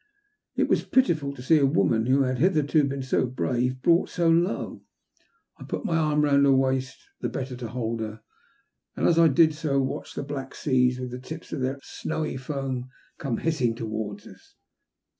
It was pitiful to see a woman, who had hitherto been so brave, brought so low. I put my arm round her waist the better to hold her, and, as I did so, watched the black seas, with their tips of WE ARE SAVED. 195 snowy foam, come hissing towards us.